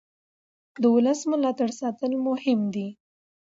د ولس ملاتړ ساتل مهم دي